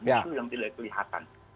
itu yang tidak kelihatan